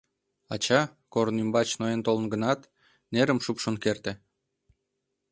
Ача, корно ӱмбач ноен толын гынат, нерым шупшын керте.